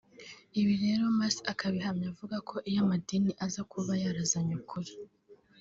Ibi rero Marx akabihamya avuga ko iyo amadini aza kuba yarazanye ukuri